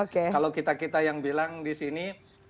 kalau kita kita yang bilang di sini